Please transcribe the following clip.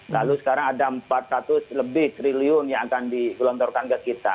lalu sekarang ada empat ratus lebih triliun yang akan digelontorkan ke kita